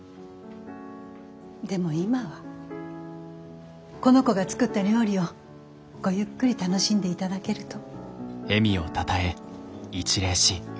でも今はこの子が作った料理をごゆっくり楽しんでいただけると。